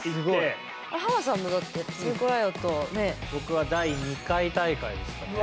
僕は第２回大会でしたね。